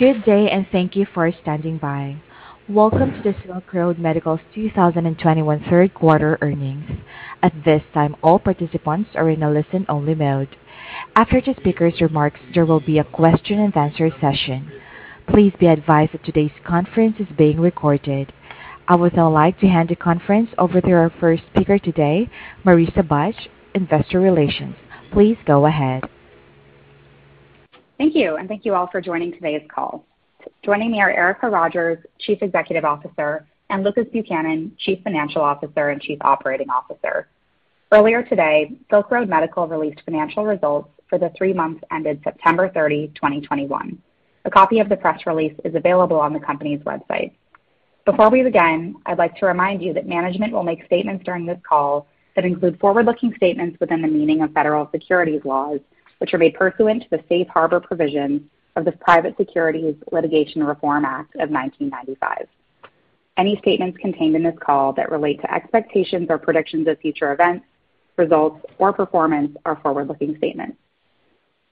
Good day, and thank you for standing by. Welcome to the Silk Road Medical's 2021 Third Quarter Earnings. At this time, all participants are in a listen-only mode. After the speakers' remarks, there will be a question-and-answer session. Please be advised that today's conference is being recorded. I would now like to hand the conference over to our first speaker today, Marissa Bych, Investor Relations. Please go ahead. Thank you, and thank you all for joining today's call. Joining me are Erica Rogers, Chief Executive Officer, and Lucas Buchanan, Chief Financial Officer and Chief Operating Officer. Earlier today, Silk Road Medical released financial results for the threemonths ended September 30, 2021. A copy of the press release is available on the company's website. Before we begin, I'd like to remind you that management will make statements during this call that include forward-looking statements within the meaning of federal securities laws, which may be pursuant to the Safe Harbor provision of the Private Securities Litigation Reform Act of 1995. Any statements contained in this call that relate to expectations or predictions of future events, results, or performance are forward-looking statements.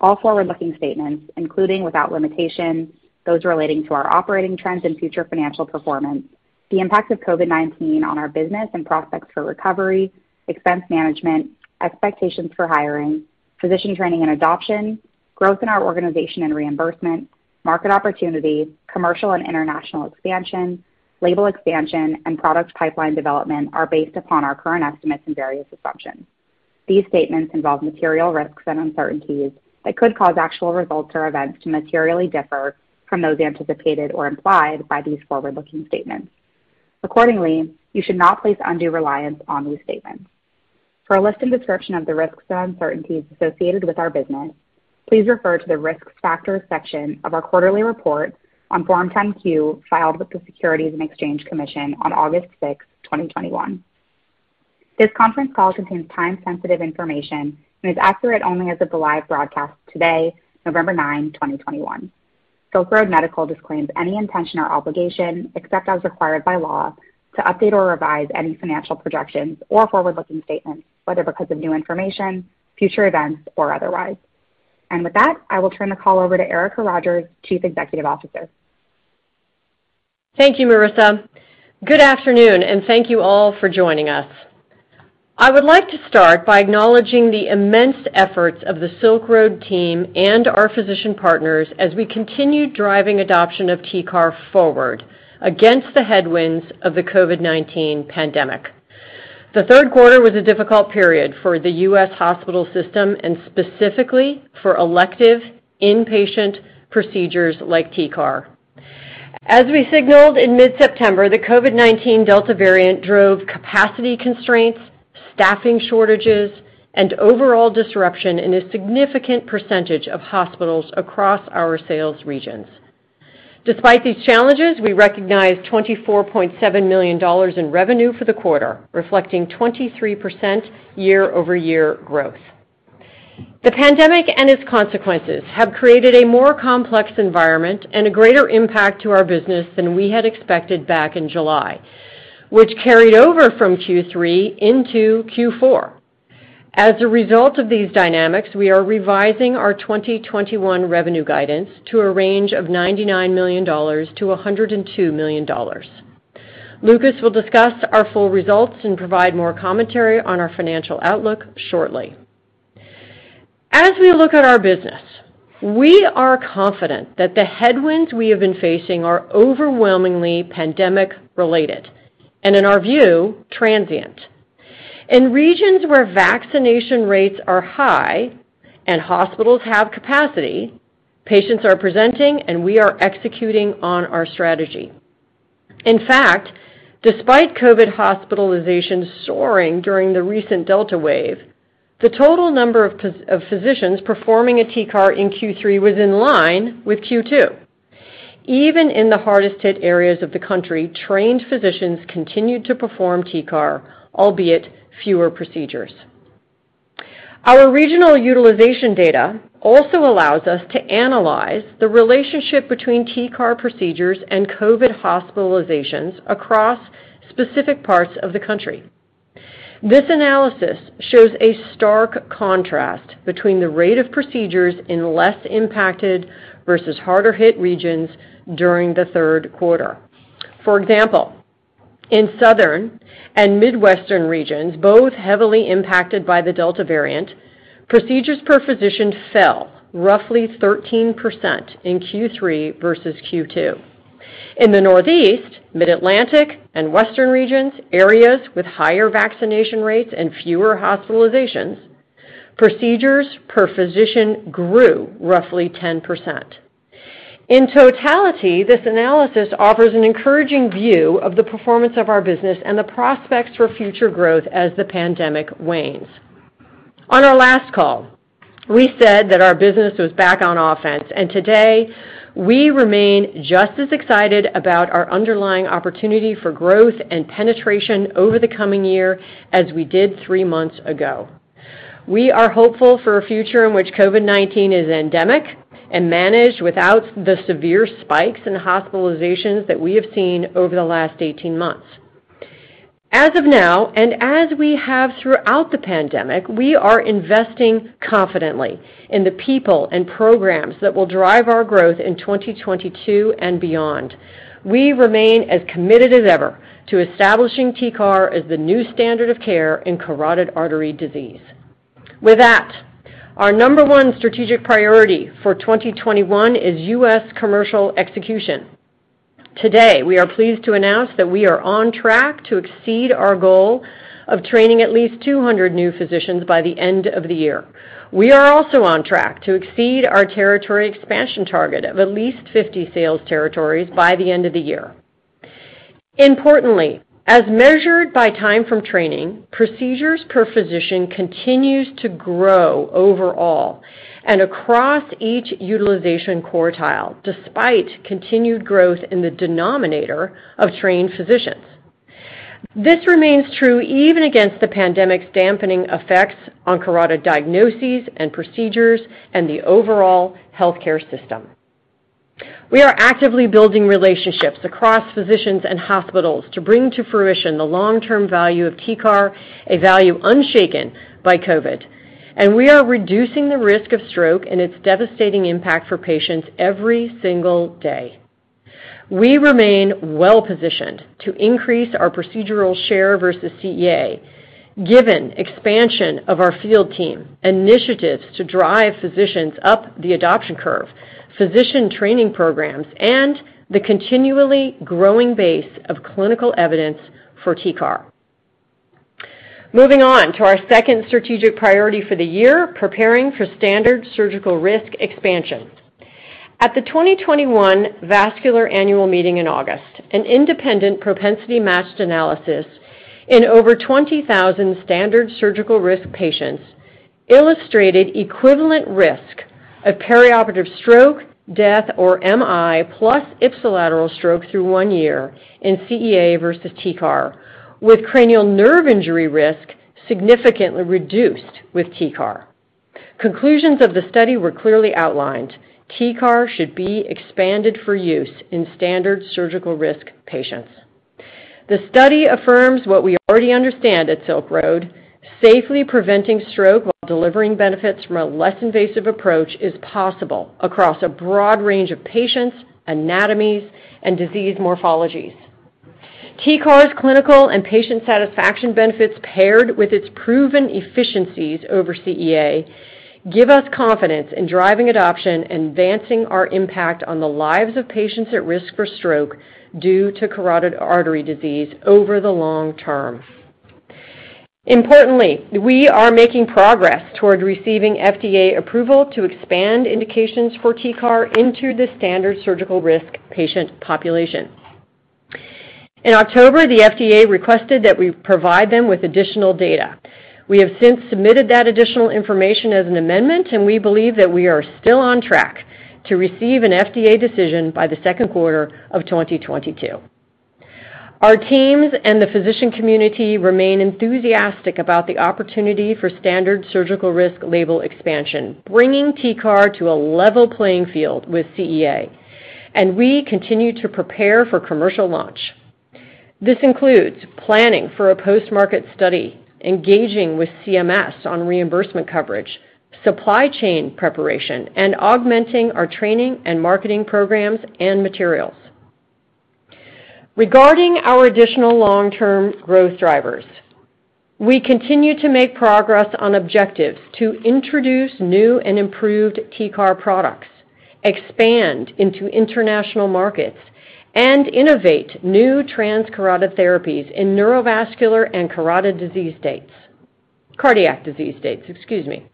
All forward-looking statements, including without limitation those relating to our operating trends and future financial performance, the impact of COVID-19 on our business and prospects for recovery, expense management, expectations for hiring, physician training and adoption, growth in our organization and reimbursement, market opportunity, commercial and international expansion, label expansion, and product pipeline development are based upon our current estimates and various assumptions. These statements involve material risks and uncertainties that could cause actual results or events to materially differ from those anticipated or implied by these forward-looking statements. Accordingly, you should not place undue reliance on these statements. For a list and description of the risks and uncertainties associated with our business, please refer to the Risk Factors section of our quarterly report on Form 10-Q filed with the Securities and Exchange Commission on August 6, 2021. This conference call contains time-sensitive information and is accurate only as of the live broadcast today, November 9, 2021. Silk Road Medical disclaims any intention or obligation, except as required by law, to update or revise any financial projections or forward-looking statements, whether because of new information, future events, or otherwise. With that, I will turn the call over to Erica Rogers, Chief Executive Officer. Thank you, Marissa. Good afternoon, and thank you all for joining us. I would like to start by acknowledging the immense efforts of the Silk Road team and our physician partners as we continue driving adoption of TCAR forward against the headwinds of the COVID-19 pandemic. The third quarter was a difficult period for the U.S. hospital system and specifically for elective inpatient procedures like TCAR. As we signaled in mid-September, the COVID-19 Delta variant drove capacity constraints, staffing shortages, and overall disruption in a significant percentage of hospitals across our sales regions. Despite these challenges, we recognized $24.7 million in revenue for the quarter, reflecting 23% year-over-year growth. The pandemic and its consequences have created a more complex environment and a greater impact to our business than we had expected back in July, which carried over from Q3 into Q4. As a result of these dynamics, we are revising our 2021 revenue guidance to a range of $99 million-$102 million. Lucas will discuss our full results and provide more commentary on our financial outlook shortly. As we look at our business, we are confident that the headwinds we have been facing are overwhelmingly pandemic-related and, in our view, transient. In regions where vaccination rates are high and hospitals have capacity, patients are presenting, and we are executing on our strategy. In fact, despite COVID hospitalizations soaring during the recent Delta wave, the total number of physicians performing a TCAR in Q3 was in line with Q2. Even in the hardest hit areas of the country, trained physicians continued to perform TCAR, albeit fewer procedures. Our regional utilization data also allows us to analyze the relationship between TCAR procedures and COVID hospitalizations across specific parts of the country. This analysis shows a stark contrast between the rate of procedures in less impacted versus harder hit regions during the third quarter. For example, in southern and midwestern regions, both heavily impacted by the Delta variant, procedures per physician fell roughly 13% in Q3 versus Q2. In the northeast, mid-Atlantic, and western regions, areas with higher vaccination rates and fewer hospitalizations, procedures per physician grew roughly 10%. In totality, this analysis offers an encouraging view of the performance of our business and the prospects for future growth as the pandemic wanes. On our last call, we said that our business was back on offense, and today we remain just as excited about our underlying opportunity for growth and penetration over the coming year as we did three months ago. We are hopeful for a future in which COVID-19 is endemic and managed without the severe spikes in hospitalizations that we have seen over the last 18 months. As of now, and as we have throughout the pandemic, we are investing confidently in the people and programs that will drive our growth in 2022 and beyond. We remain as committed as ever to establishing TCAR as the new standard of care in carotid artery disease. With that, our number one strategic priority for 2021 is U.S. commercial execution. Today, we are pleased to announce that we are on track to exceed our goal of training at least 200 new physicians by the end of the year. We are also on track to exceed our territory expansion target of at least 50 sales territories by the end of the year. Importantly, as measured by time from training, procedures per physician continues to grow overall and across each utilization quartile, despite continued growth in the denominator of trained physicians. This remains true even against the pandemic's dampening effects on carotid diagnoses and procedures and the overall healthcare system. We are actively building relationships across physicians and hospitals to bring to fruition the long-term value of TCAR, a value unshaken by COVID, and we are reducing the risk of stroke and its devastating impact for patients every single day. We remain well-positioned to increase our procedural share versus CEA, given expansion of our field team, initiatives to drive physicians up the adoption curve, physician training programs, and the continually growing base of clinical evidence for TCAR. Moving on to our second strategic priority for the year, preparing for standard surgical risk expansion. At the 2021 Vascular Annual Meeting in August, an independent propensity-matched analysis in over 20,000 standard surgical risk patients illustrated equivalent risk of perioperative stroke, death, or MI, plus ipsilateral stroke through one year in CEA versus TCAR, with cranial nerve injury risk significantly reduced with TCAR. Conclusions of the study were clearly outlined. TCAR should be expanded for use in standard surgical risk patients. The study affirms what we already understand at Silk Road, safely preventing stroke while delivering benefits from a less invasive approach is possible across a broad range of patients, anatomies, and disease morphologies. TCAR's clinical and patient satisfaction benefits paired with its proven efficiencies over CEA give us confidence in driving adoption and advancing our impact on the lives of patients at risk for stroke due to carotid artery disease over the long term. Importantly, we are making progress toward receiving FDA approval to expand indications for TCAR into the standard surgical risk patient population. In October, the FDA requested that we provide them with additional data. We have since submitted that additional information as an amendment, and we believe that we are still on track to receive an FDA decision by the second quarter of 2022. Our teams and the physician community remain enthusiastic about the opportunity for standard surgical risk label expansion, bringing TCAR to a level playing field with CEA, and we continue to prepare for commercial launch. This includes planning for a post-market study, engaging with CMS on reimbursement coverage, supply chain preparation, and augmenting our training and marketing programs and materials. Regarding our additional long-term growth drivers, we continue to make progress on objectives to introduce new and improved TCAR products, expand into international markets, and innovate new transcarotid therapies in neurovascular and carotid disease states. Cardiac disease states, excuse me.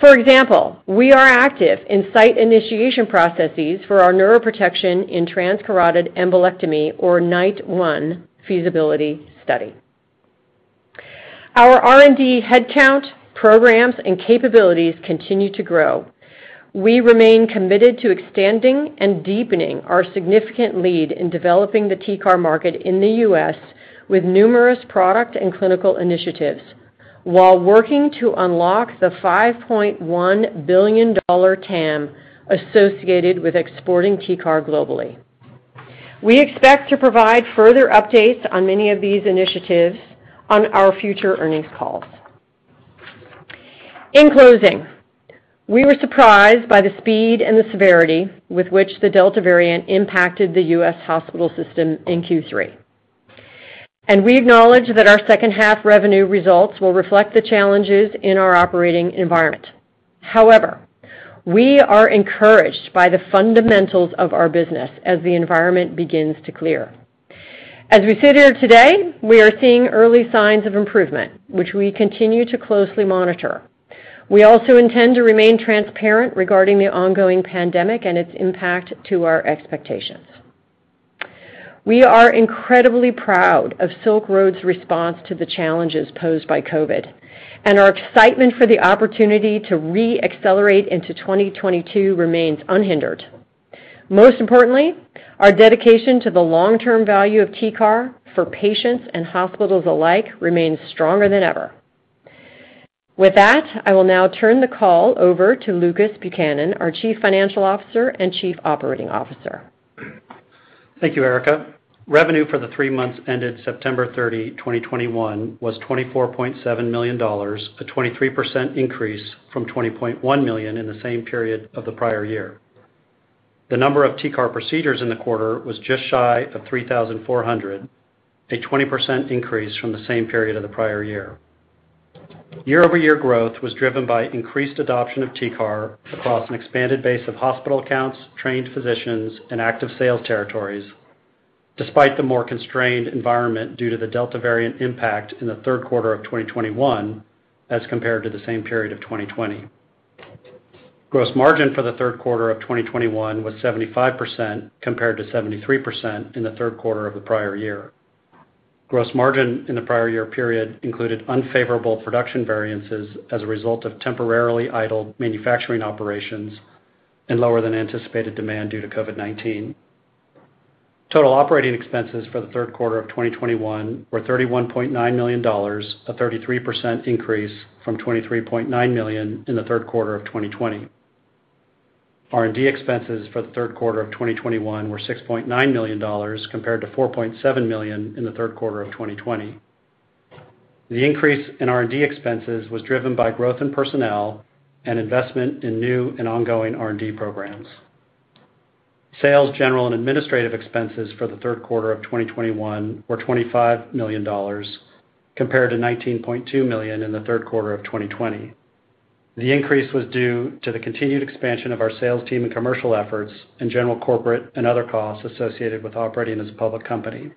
For example, we are active in site initiation processes for our Neuroprotection in Transcarotid Embolectomy, or NITE-1, feasibility study. Our R&D headcount, programs, and capabilities continue to grow. We remain committed to extending and deepening our significant lead in developing the TCAR market in the U.S. with numerous product and clinical initiatives while working to unlock the $5.1 billion TAM associated with exporting TCAR globally. We expect to provide further updates on many of these initiatives on our future earnings calls. In closing, we were surprised by the speed and the severity with which the Delta variant impacted the U.S. hospital system in Q3. We acknowledge that our second-half revenue results will reflect the challenges in our operating environment. However, we are encouraged by the fundamentals of our business as the environment begins to clear. As we sit here today, we are seeing early signs of improvement, which we continue to closely monitor. We also intend to remain transparent regarding the ongoing pandemic and its impact to our expectations. We are incredibly proud of Silk Road's response to the challenges posed by COVID, and our excitement for the opportunity to re-accelerate into 2022 remains unhindered. Most importantly, our dedication to the long-term value of TCAR for patients and hospitals alike remains stronger than ever. With that, I will now turn the call over to Lucas Buchanan, our Chief Financial Officer and Chief Operating Officer. Thank you, Erica. Revenue for the three months ended September 30, 2021 was $24.7 million, a 23% increase from $20.1 million in the same period of the prior year. The number of TCAR procedures in the quarter was just shy of 3,400, a 20% increase from the same period of the prior year. Year-over-year growth was driven by increased adoption of TCAR across an expanded base of hospital accounts, trained physicians, and active sales territories, despite the more constrained environment due to the Delta variant impact in the third quarter of 2021 as compared to the same period of 2020. Gross margin for the third quarter of 2021 was 75% compared to 73% in the third quarter of the prior year. Gross margin in the prior year period included unfavorable production variances as a result of temporarily idled manufacturing operations and lower than anticipated demand due to COVID-19. Total operating expenses for the third quarter of 2021 were $31.9 million, a 33% increase from $23.9 million in the third quarter of 2020. R&D expenses for the third quarter of 2021 were $6.9 million compared to $4.7 million in the third quarter of 2020. The increase in R&D expenses was driven by growth in personnel and investment in new and ongoing R&D programs. Sales, general, and administrative expenses for the third quarter of 2021 were $25 million compared to $19.2 million in the third quarter of 2020. The increase was due to the continued expansion of our sales team and commercial efforts, and general corporate and other costs associated with operating as a public company.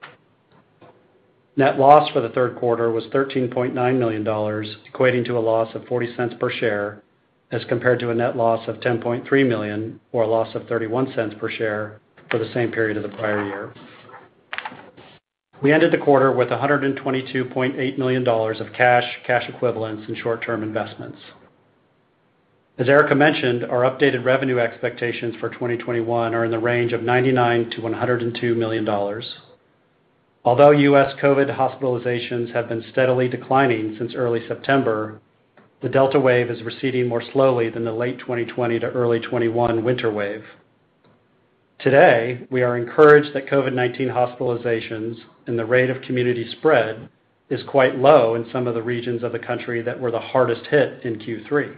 Net loss for the third quarter was $13.9 million, equating to a loss of $0.40 per share as compared to a net loss of $10.3 million, or a loss of $0.31 per share, for the same period of the prior year. We ended the quarter with $122.8 million of cash equivalents, and short-term investments. As Erica mentioned, our updated revenue expectations for 2021 are in the range of $99 million-$102 million. Although U.S. COVID hospitalizations have been steadily declining since early September, the Delta wave is receding more slowly than the late 2020 to early 2021 winter wave. Today, we are encouraged that COVID-19 hospitalizations and the rate of community spread is quite low in some of the regions of the country that were the hardest hit in Q3.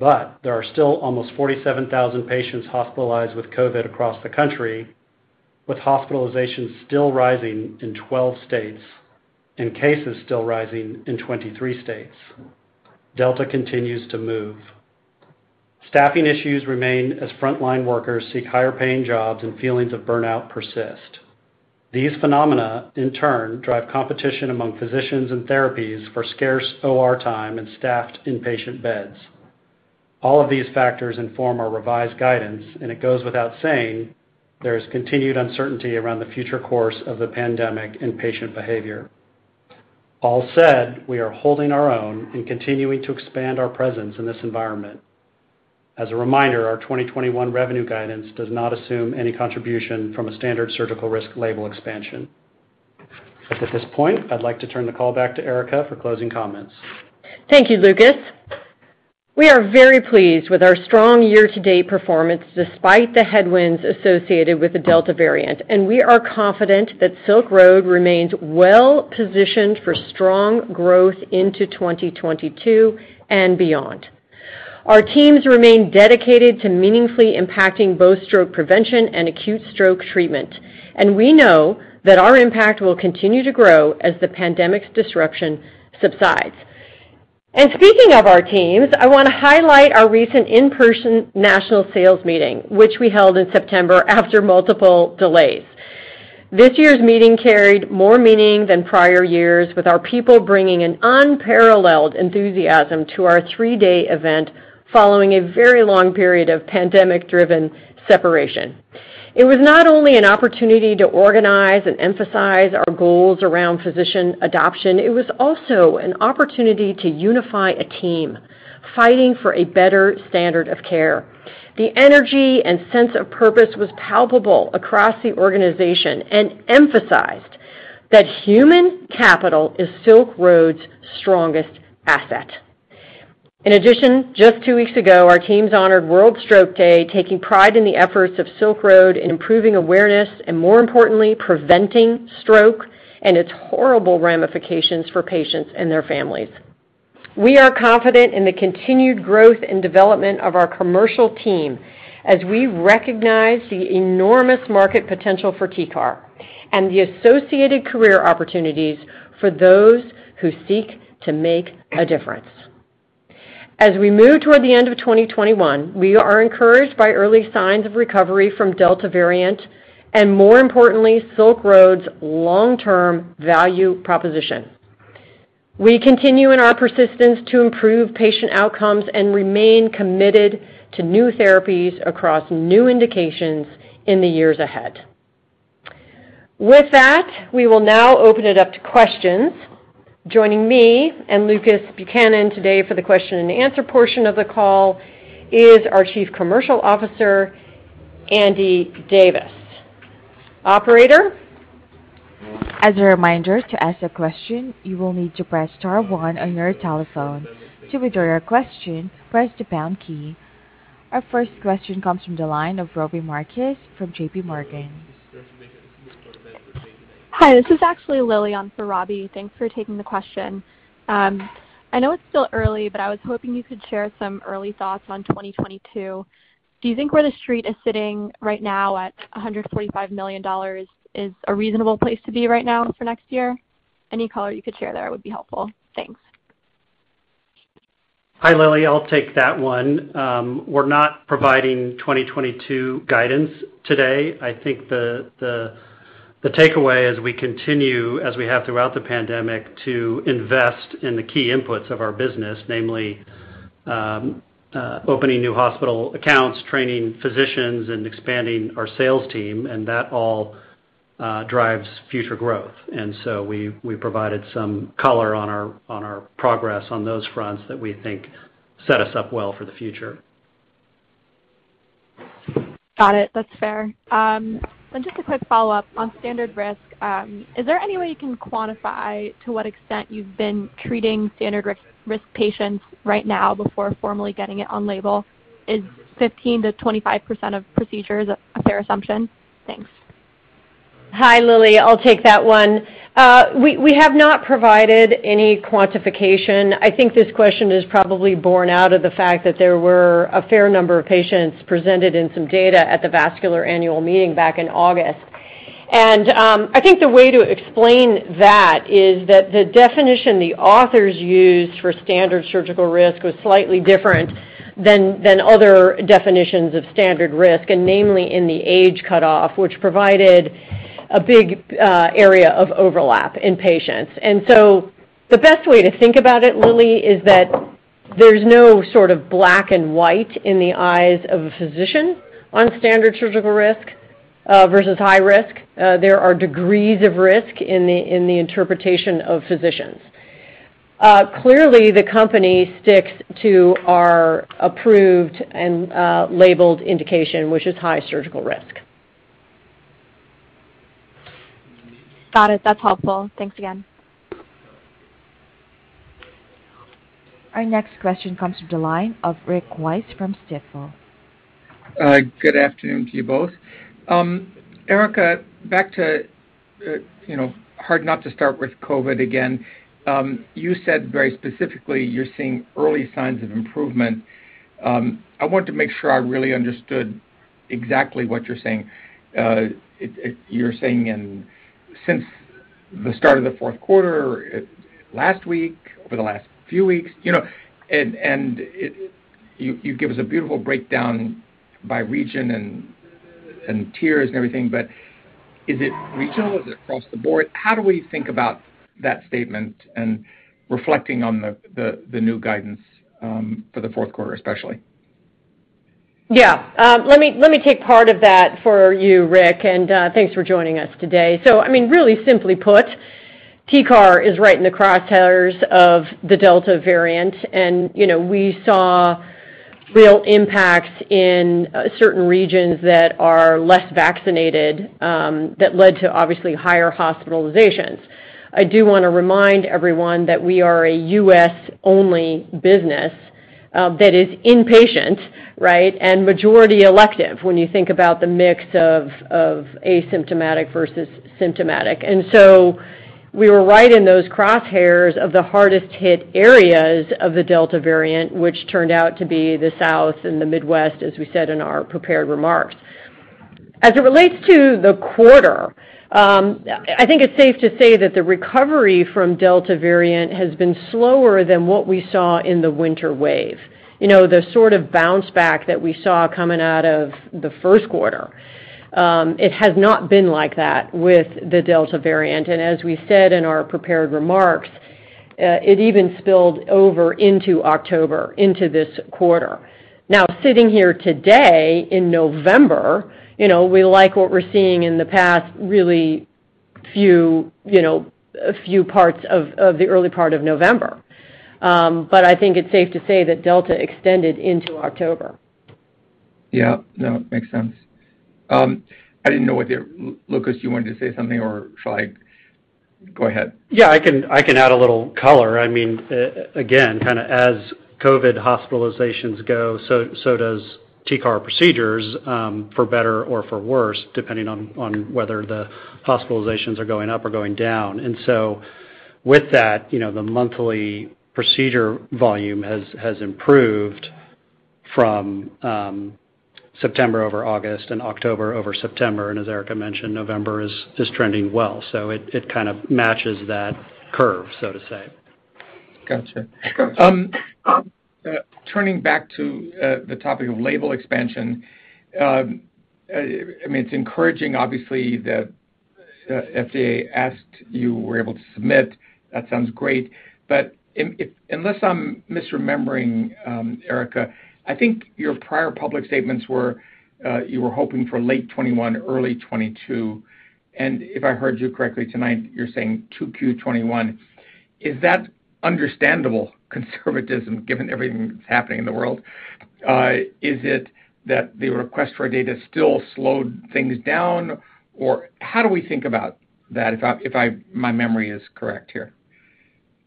There are still almost 47,000 patients hospitalized with COVID across the country, with hospitalizations still rising in 12 states and cases still rising in 23 states. Delta continues to move. Staffing issues remain as frontline workers seek higher paying jobs and feelings of burnout persist. These phenomena in turn drive competition among physicians and therapies for scarce OR time and staffed inpatient beds. All of these factors inform our revised guidance, and it goes without saying, there is continued uncertainty around the future course of the pandemic and patient behavior. All said, we are holding our own and continuing to expand our presence in this environment. As a reminder, our 2021 revenue guidance does not assume any contribution from a standard surgical risk label expansion. At this point, I'd like to turn the call back to Erica for closing comments. Thank you, Lucas. We are very pleased with our strong year-to-date performance despite the headwinds associated with the Delta variant, and we are confident that Silk Road remains well-positioned for strong growth into 2022 and beyond. Our teams remain dedicated to meaningfully impacting both stroke prevention and acute stroke treatment, and we know that our impact will continue to grow as the pandemic's disruption subsides. Speaking of our teams, I wanna highlight our recent in-person national sales meeting, which we held in September after multiple delays. This year's meeting carried more meaning than prior years, with our people bringing an unparalleled enthusiasm to our three-day event following a very long period of pandemic-driven separation. It was not only an opportunity to organize and emphasize our goals around physician adoption, it was also an opportunity to unify a team fighting for a better standard of care. The energy and sense of purpose was palpable across the organization and emphasized that human capital is Silk Road's strongest asset. In addition, just two weeks ago, our teams honored World Stroke Day, taking pride in the efforts of Silk Road in improving awareness and, more importantly, preventing stroke and its horrible ramifications for patients and their families. We are confident in the continued growth and development of our commercial team as we recognize the enormous market potential for TCAR and the associated career opportunities for those who seek to make a difference. As we move toward the end of 2021, we are encouraged by early signs of recovery from Delta variant and, more importantly, Silk Road's long-term value proposition. We continue in our persistence to improve patient outcomes and remain committed to new therapies across new indications in the years ahead. With that, we will now open it up to questions. Joining me and Lucas Buchanan today for the question and answer portion of the call is our Chief Commercial Officer, Andrew Davis. Operator? As a reminder, to ask a question, you will need to press star one on your telephone. To withdraw your question, press the pound key. Our first question comes from the line of Robbie Marcus from JPMorgan. Hi, this is actually Lily on for Robbie. Thanks for taking the question. I know it's still early, but I was hoping you could share some early thoughts on 2022. Do you think where The Street is sitting right now at $145 million is a reasonable place to be right now for next year? Any color you could share there would be helpful. Thanks. Hi, Lily. I'll take that one. We're not providing 2022 guidance today. I think the takeaway as we continue, as we have throughout the pandemic, to invest in the key inputs of our business, namely, opening new hospital accounts, training physicians, and expanding our sales team, and that all drives future growth. We provided some color on our progress on those fronts that we think set us up well for the future. Got it. That's fair. Just a quick follow-up on standard risk. Is there any way you can quantify to what extent you've been treating standard risk patients right now before formally getting it on label? Is 15%-25% of procedures a fair assumption? Thanks. Hi, Lily. I'll take that one. We have not provided any quantification. I think this question is probably borne out of the fact that there were a fair number of patients presented in some data at the Vascular Annual Meeting back in August. I think the way to explain that is that the definition the authors used for standard surgical risk was slightly different than other definitions of standard risk, and namely in the age cutoff, which provided a big area of overlap in patients. The best way to think about it, Lily, is that there's no sort of black and white in the eyes of a physician on standard surgical risk versus high risk. There are degrees of risk in the interpretation of physicians. Clearly, the company sticks to our approved and labeled indication, which is high surgical risk. Got it. That's helpful. Thanks again. Our next question comes from the line of Rick Wise from Stifel. Good afternoon to you both. Erica, back to, you know, hard not to start with COVID again. You said very specifically you're seeing early signs of improvement. I want to make sure I really understood exactly what you're saying. You're saying since the start of the fourth quarter, last week, over the last few weeks, you know, and you give us a beautiful breakdown by region and tiers and everything, but is it regional? Is it across the board? How do we think about that statement and reflecting on the new guidance for the fourth quarter, especially? Yeah. Let me take part of that for you, Rick, and thanks for joining us today. I mean, really simply put, TCAR is right in the crosshairs of the Delta variant. You know, we saw real impacts in certain regions that are less vaccinated, that led to obviously higher hospitalizations. I do wanna remind everyone that we are a U.S.-only business, that is inpatient, right? Majority elective when you think about the mix of asymptomatic versus symptomatic. We were right in those crosshairs of the hardest hit areas of the Delta variant, which turned out to be the South and the Midwest, as we said in our prepared remarks. As it relates to the quarter, I think it's safe to say that the recovery from Delta variant has been slower than what we saw in the winter wave. You know, the sort of bounce back that we saw coming out of the first quarter, it has not been like that with the Delta variant. As we said in our prepared remarks, it even spilled over into October, into this quarter. Now, sitting here today in November, you know, we like what we're seeing in the past few, you know, a few parts of the early part of November. I think it's safe to say that Delta extended into October. Yeah. No, it makes sense. Lucas, you wanted to say something or should I go ahead? Yeah, I can add a little color. I mean, kinda as COVID hospitalizations go, so does TCAR procedures, for better or for worse, depending on whether the hospitalizations are going up or going down. With that, you know, the monthly procedure volume has improved from September over August and October over September. As Erica mentioned, November is trending well. It kind of matches that curve, so to say. Gotcha. Turning back to the topic of label expansion, I mean, it's encouraging obviously the FDA asked. You were able to submit. That sounds great. Unless I'm misremembering, Erica, I think your prior public statements were you were hoping for late 2021, early 2022, and if I heard you correctly tonight, you're saying 2Q 2021. Is that understandable conservatism given everything that's happening in the world? Is it that the request for data still slowed things down? How do we think about that? If my memory is correct here.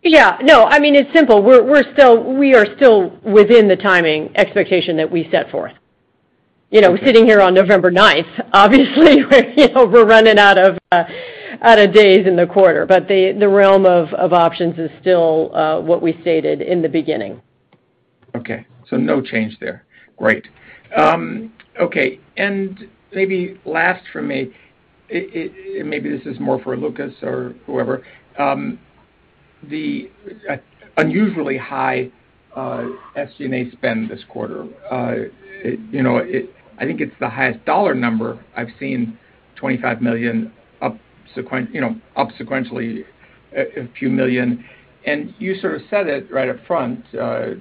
Yeah, no, I mean, it's simple. We are still within the timing expectation that we set forth. You know, sitting here on November ninth, obviously, we're running out of days in the quarter, but the realm of options is still what we stated in the beginning. Okay, so no change there. Great. Okay, and maybe last for me, it and maybe this is more for Lucas or whoever. The unusually high SG&A spend this quarter, you know, it I think it's the highest dollar number I've seen, $25 million up sequentially a few million. You sort of said it right up front, or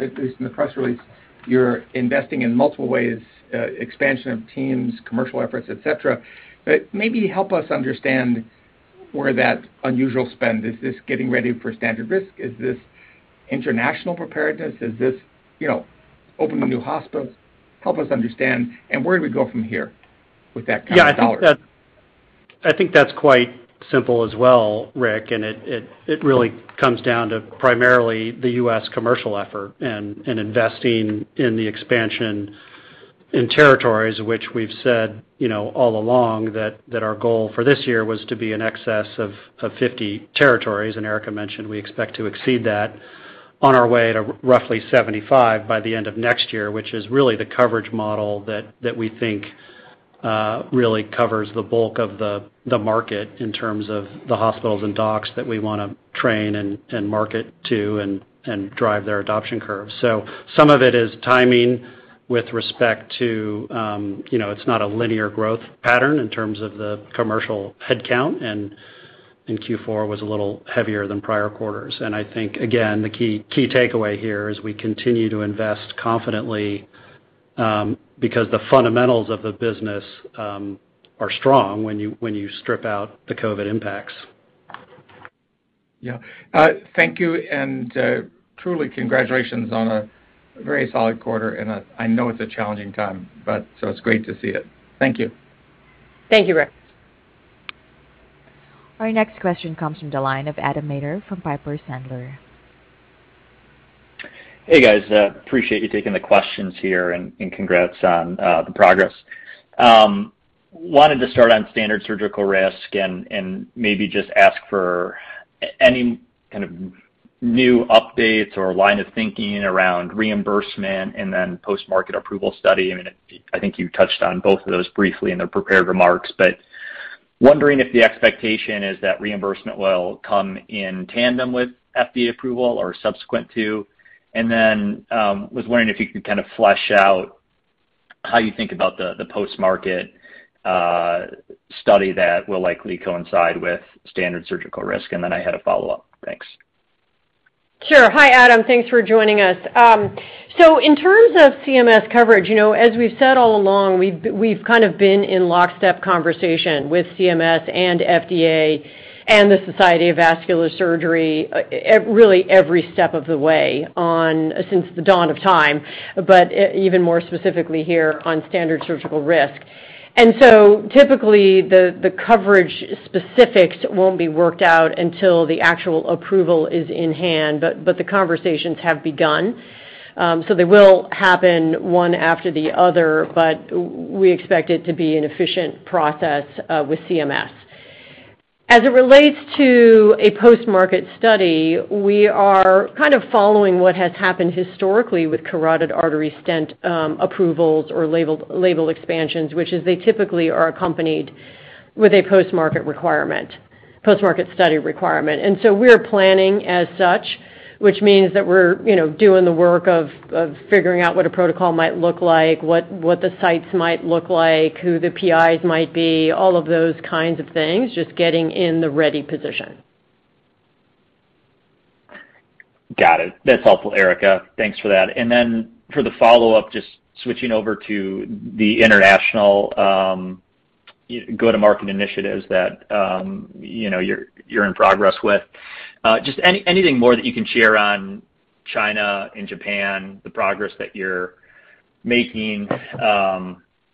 at least in the press release, you're investing in multiple ways, expansion of teams, commercial efforts, et cetera. But maybe help us understand where that unusual spend. Is this getting ready for standard risk? Is this international preparedness? Is this, you know, opening new hospitals? Help us understand and where do we go from here with that kind of dollars? Yeah, I think that's quite simple as well, Rick, and it really comes down to primarily the U.S. commercial effort and investing in the expansion in territories, which we've said, you know, all along that our goal for this year was to be in excess of 50 territories. Erica mentioned we expect to exceed that on our way to roughly 75 by the end of next year, which is really the coverage model that we think really covers the bulk of the market in terms of the hospitals and docs that we wanna train and market to and drive their adoption curve. Some of it is timing with respect to, you know, it's not a linear growth pattern in terms of the commercial head count, and Q4 was a little heavier than prior quarters. I think, again, the key takeaway here is we continue to invest confidently, because the fundamentals of the business are strong when you strip out the COVID impacts. Yeah. Thank you, and truly congratulations on a very solid quarter, and I know it's a challenging time, but so it's great to see it. Thank you. Thank you, Rick. Our next question comes from the line of Adam Maeder from Piper Sandler. Hey, guys, appreciate you taking the questions here and congrats on the progress. Wanted to start on standard surgical risk and maybe just ask for any kind of new updates or line of thinking around reimbursement and then post-market approval study. I mean, I think you touched on both of those briefly in the prepared remarks. Wondering if the expectation is that reimbursement will come in tandem with FDA approval or subsequent to. Was wondering if you could kind of flesh out how you think about the post-market study that will likely coincide with standard surgical risk. I had a follow-up. Thanks. Sure. Hi, Adam. Thanks for joining us. So in terms of CMS coverage, you know, as we've said all along, we've kind of been in lockstep conversation with CMS and FDA and the Society for Vascular Surgery, really every step of the way on since the dawn of time, but even more specifically here on standard surgical risk. Typically, the coverage specifics won't be worked out until the actual approval is in hand, but the conversations have begun, so they will happen one after the other, but we expect it to be an efficient process with CMS. As it relates to a post-market study, we are kind of following what has happened historically with carotid artery stent approvals or label expansions, which is they typically are accompanied with a post-market study requirement. We're planning as such, which means that we're, you know, doing the work of figuring out what a protocol might look like, what the sites might look like, who the PIs might be, all of those kinds of things, just getting in the ready position. Got it. That's helpful, Erica. Thanks for that. Then for the follow-up, just switching over to the international go-to-market initiatives that you know you're in progress with. Just anything more that you can share on China and Japan, the progress that you're making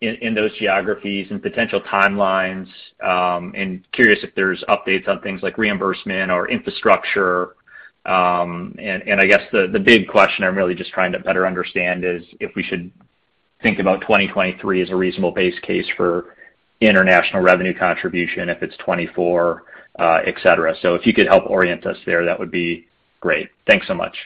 in those geographies and potential timelines. Curious if there's updates on things like reimbursement or infrastructure. I guess the big question I'm really just trying to better understand is if we should think about 2023 as a reasonable base case for international revenue contribution, if it's 2024, et cetera. If you could help orient us there, that would be great. Thanks so much.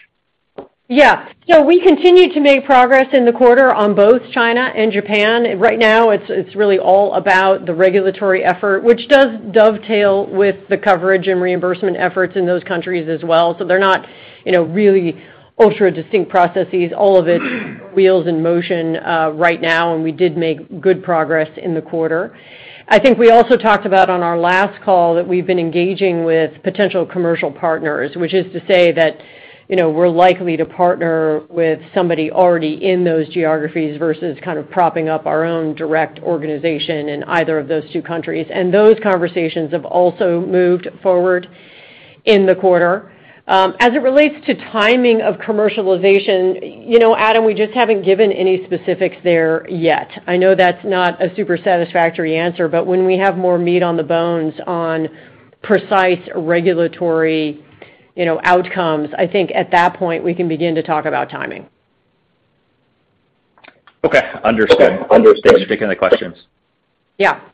Yeah. We continued to make progress in the quarter on both China and Japan. Right now, it's really all about the regulatory effort, which does dovetail with the coverage and reimbursement efforts in those countries as well. They're not, you know, really ultra-distinct processes. All of it, wheels in motion, right now, and we did make good progress in the quarter. I think we also talked about on our last call that we've been engaging with potential commercial partners, which is to say that, you know, we're likely to partner with somebody already in those geographies versus kind of propping up our own direct organization in either of those two countries. Those conversations have also moved forward in the quarter. As it relates to timing of commercialization, you know, Adam, we just haven't given any specifics there yet. I know that's not a super satisfactory answer, but when we have more meat on the bones on precise regulatory, you know, outcomes, I think at that point, we can begin to talk about timing. Okay. Understood. Thanks for taking the questions. Yeah.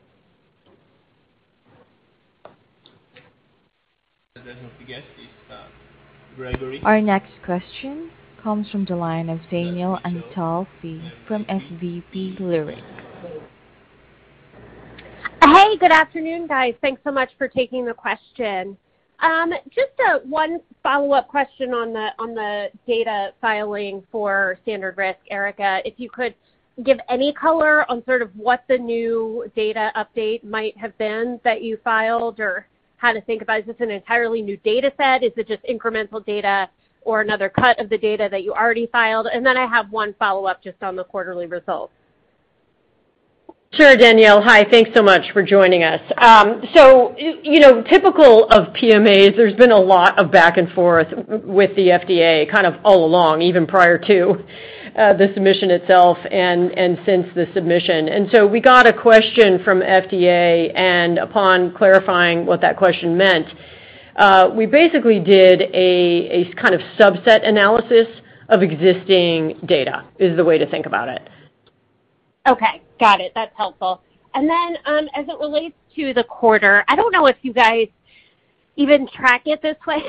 Our next question comes from the line of Danielle Antalffy from SVB Leerink. Hey, good afternoon, guys. Thanks so much for taking the question. Just one follow-up question on the data filing for standard risk, Erica. If you could give any color on sort of what the new data update might have been that you filed or how to think about, is this an entirely new data set? Is it just incremental data or another cut of the data that you already filed? Then I have one follow-up just on the quarterly results. Sure, Danielle. Hi, thanks so much for joining us. You know, typical of PMAs, there's been a lot of back and forth with the FDA kind of all along, even prior to the submission itself and since the submission. We got a question from FDA, and upon clarifying what that question meant, we basically did a kind of subset analysis of existing data, is the way to think about it. Okay. Got it. That's helpful. As it relates to the quarter, I don't know if you guys even track it this way,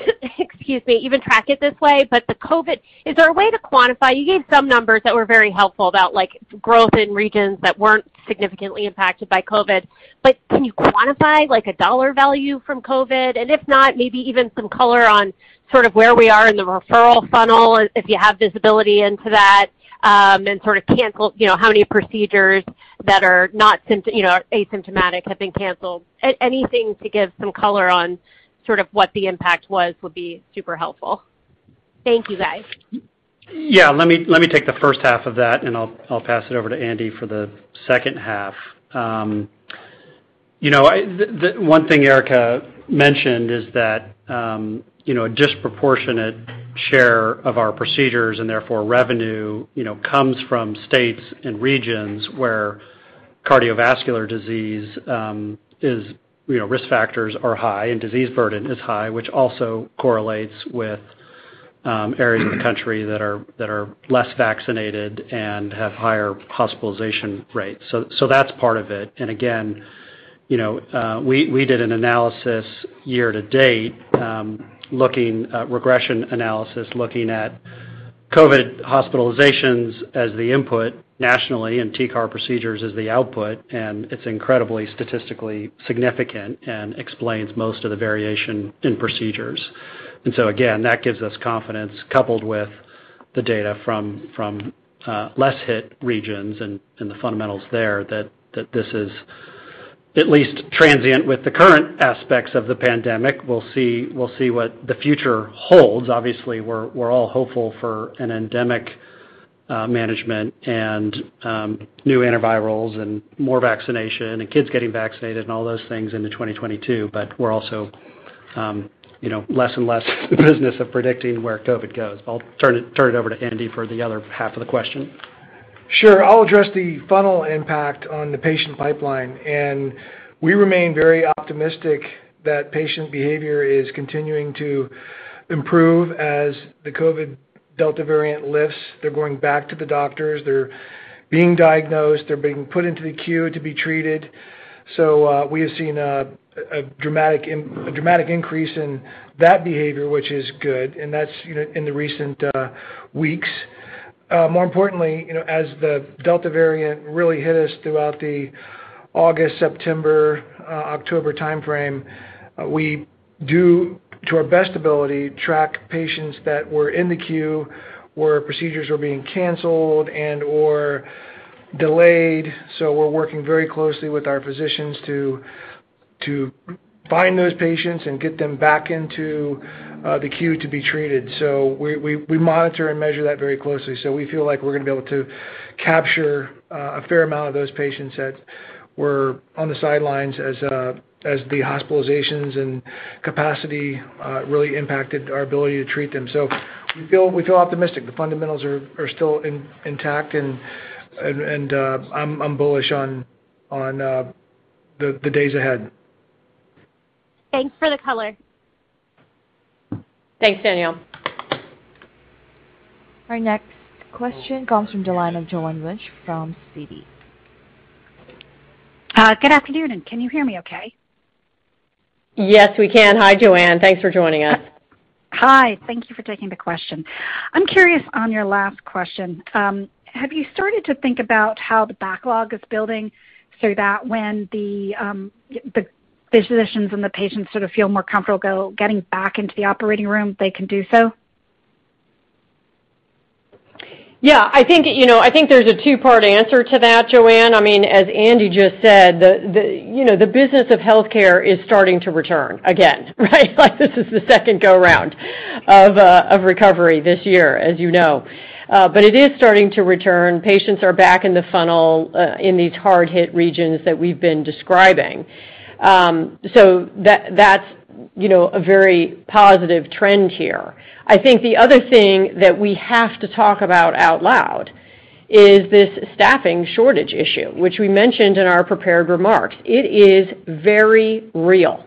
but COVID. Is there a way to quantify? You gave some numbers that were very helpful about, like, growth in regions that weren't significantly impacted by COVID. Can you quantify, like, a dollar value from COVID? And if not, maybe even some color on sort of where we are in the referral funnel, if you have visibility into that, and sort of cancellations, you know, how many procedures that are not, you know, asymptomatic have been canceled. Anything to give some color on sort of what the impact was would be super helpful. Thank you, guys. Yeah. Let me take the first half of that, and I'll pass it over to Andy for the second half. You know, the one thing Erica mentioned is that, you know, a disproportionate share of our procedures, and therefore revenue, you know, comes from states and regions where cardiovascular disease is, you know, risk factors are high and disease burden is high, which also correlates with areas of the country that are less vaccinated and have higher hospitalization rates. So that's part of it. And again, you know, we did an analysis year to date, a regression analysis looking at COVID hospitalizations as the input nationally and TCAR procedures as the output, and it's incredibly statistically significant and explains most of the variation in procedures. Again, that gives us confidence coupled with the data from less hit regions and the fundamentals there that this is at least transient with the current aspects of the pandemic. We'll see what the future holds. Obviously, we're all hopeful for an endemic management and new antivirals and more vaccination and kids getting vaccinated and all those things into 2022. But we're also, you know, less and less in the business of predicting where COVID goes. I'll turn it over to Andy for the other half of the question. Sure. I'll address the funnel impact on the patient pipeline, and we remain very optimistic that patient behavior is continuing to improve as the COVID-19 Delta variant lifts. They're going back to the doctors. They're being diagnosed. They're being put into the queue to be treated. We have seen a dramatic increase in that behavior, which is good, and that's, you know, in the recent weeks. More importantly, you know, as the Delta variant really hit us throughout the August, September, October timeframe, we do, to our best ability, track patients that were in the queue, where procedures were being canceled and/or delayed. We're working very closely with our physicians to find those patients and get them back into the queue to be treated. We monitor and measure that very closely. We feel like we're gonna be able to capture a fair amount of those patients that were on the sidelines as the hospitalizations and capacity really impacted our ability to treat them. We feel optimistic. The fundamentals are still intact and I'm bullish on the days ahead. Thanks for the color. Thanks, Danielle. Our next question comes from the line of Joanne Wuensch from Citi. Good afternoon. Can you hear me okay? Yes, we can. Hi, Joanne. Thanks for joining us. Hi. Thank you for taking the question. I'm curious about your last question. Have you started to think about how the backlog is building so that when the physicians and the patients sort of feel more comfortable getting back into the operating room, they can do so? Yeah. I think, you know, I think there's a two-part answer to that, Joanne. I mean, as Andy just said, the you know, the business of healthcare is starting to return again, right? Like this is the second go-round of recovery this year, as you know. It is starting to return. Patients are back in the funnel in these hard-hit regions that we've been describing. That's you know, a very positive trend here. I think the other thing that we have to talk about out loud is this staffing shortage issue, which we mentioned in our prepared remarks. It is very real.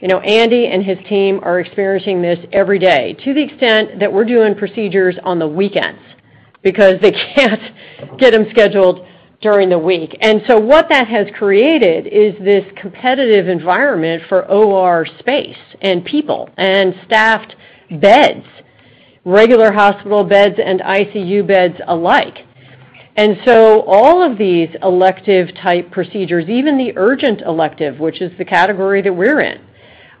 You know, Andy and his team are experiencing this every day to the extent that we're doing procedures on the weekends because they can't get them scheduled during the week. What that has created is this competitive environment for OR space and people and staffed beds, regular hospital beds and ICU beds alike. All of these elective type procedures, even the urgent elective, which is the category that we're in,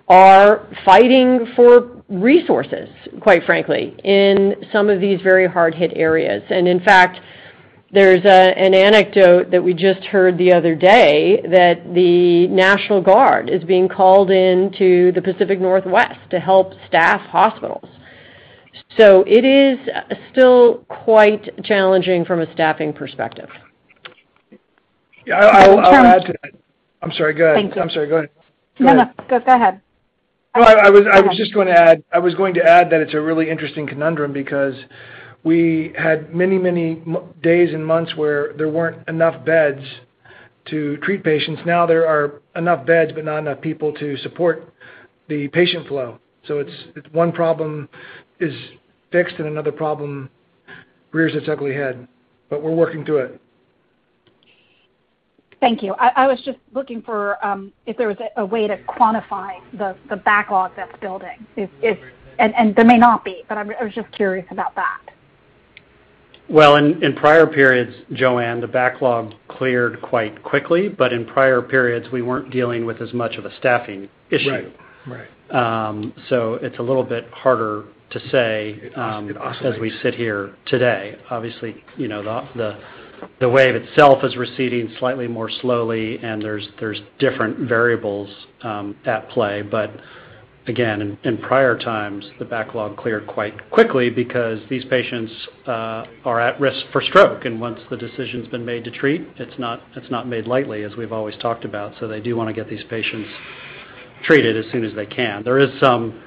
are fighting for resources, quite frankly, in some of these very hard-hit areas. In fact, there's an anecdote that we just heard the other day that the National Guard is being called into the Pacific Northwest to help staff hospitals. It is still quite challenging from a staffing perspective. Yeah, I'll add to that. I'm sorry, go ahead. Thank you. I'm sorry, go ahead. No. Go ahead. Well, I was just going to add that it's a really interesting conundrum because we had many, many days and months where there weren't enough beds to treat patients. Now there are enough beds, but not enough people to support the patient flow. It's one problem is fixed and another problem rears its ugly head. We're working through it. Thank you. I was just looking for if there was a way to quantify the backlog that's building. If there may not be, but I was just curious about that. Well, in prior periods, Joanne, the backlog cleared quite quickly, but in prior periods, we weren't dealing with as much of a staffing issue. Right. Right. It's a little bit harder to say, as we sit here today. Obviously, you know, the wave itself is receding slightly more slowly and there's different variables at play. Again, in prior times, the backlog cleared quite quickly because these patients are at risk for stroke. Once the decision's been made to treat, it's not made lightly, as we've always talked about. They do wanna get these patients treated as soon as they can. There is some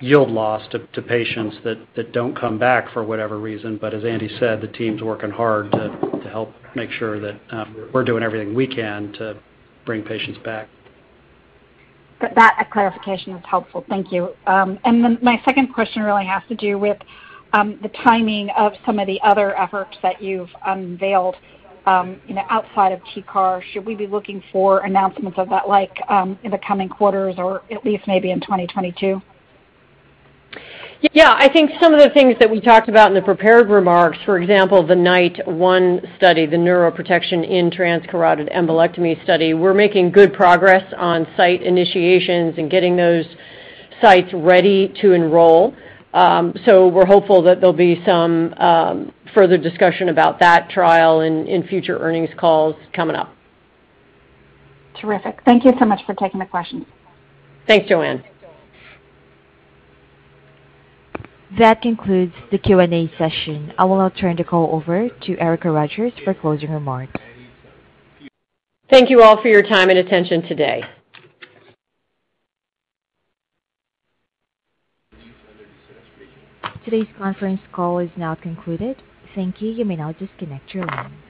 yield loss to patients that don't come back for whatever reason. As Andy said, the team's working hard to help make sure that we're doing everything we can to bring patients back. That clarification is helpful. Thank you. My second question really has to do with the timing of some of the other efforts that you've unveiled, you know, outside of TCAR. Should we be looking for announcements of that, like, in the coming quarters or at least maybe in 2022? Yeah. I think some of the things that we talked about in the prepared remarks, for example, the NITE-1 study, the Neuroprotection in Transcarotid Embolectomy study. We're making good progress on site initiations and getting those sites ready to enroll. We're hopeful that there'll be some further discussion about that trial in future earnings calls coming up. Terrific. Thank you so much for taking the questions. Thanks, Joanne. That concludes the Q&A session. I will now turn the call over to Erica Rogers for closing remarks. Thank you all for your time and attention today. Today's conference call is now concluded. Thank you. You may now disconnect your lines.